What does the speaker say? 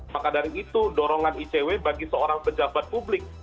maka dari itu dorongan icw bagi seorang pejabat publik